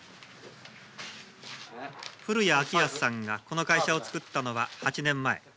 古谷晃康さんがこの会社を作ったのは８年前。